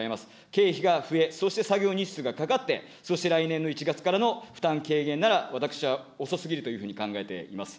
経費が増え、そして作業日数がかかって、そして来年の１月からの負担軽減なら、私は遅すぎるというふうに考えています。